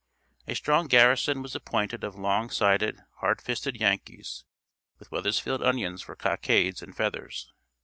A strong garrison was appointed of long sided, hard fisted Yankees, with Weathersfield onions for cockades and feathers.